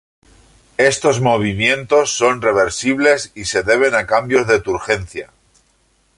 Estos movimientos son reversibles y se deben a cambios de turgencia.